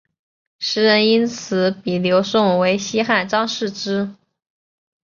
时人因此比刘颂为西汉张释之。